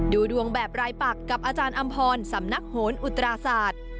ดูดวงแบบรายปักกับอาจารย์อำพรสำนักโหนอุตราศาสตร์